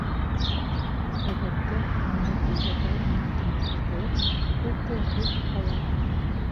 Ғәҙәттә, бындай хәлдәрҙә уның тыны ҡыҫылып, ул телһеҙ ҡала торған.